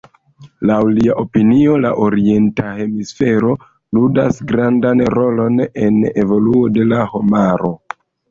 Laŭ lia opinio, la Orienta hemisfero ludas grandan rolon en evoluo de la homaro.